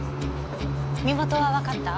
身元はわかった？